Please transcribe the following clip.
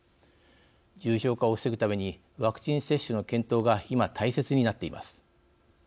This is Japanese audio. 重症化を防ぐためにワクチン接種の検討が今、大切になっています。